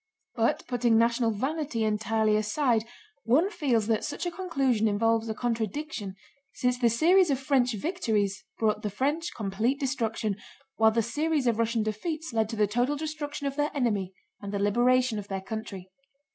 But putting national vanity entirely aside one feels that such a conclusion involves a contradiction, since the series of French victories brought the French complete destruction, while the series of Russian defeats led to the total destruction of their enemy and the liberation of their country.